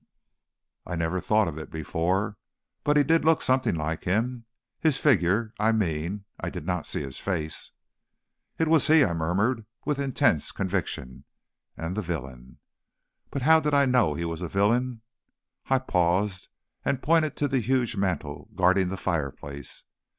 "I never thought of it before, but he did look something like him his figure, I mean; I did not see his face." "It was he," I murmured, with intense conviction, "and the villain " But how did I know he was a villain? I paused and pointed to the huge mantel guarding the fireplace.